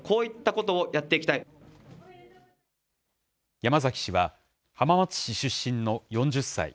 山崎氏は浜松市出身の４０歳。